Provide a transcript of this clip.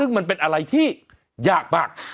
มันเป็นอะไรที่ยากมาก